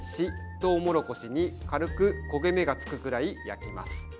とうもろこしに軽く焦げ目がつくぐらい焼きます。